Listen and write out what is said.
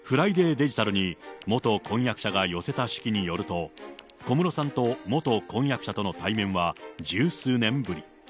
デジタルに元婚約者が寄せた手記によると、小室さんと元婚約者との対面は十数年ぶり。